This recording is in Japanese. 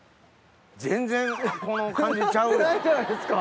全然この感じちゃうやん。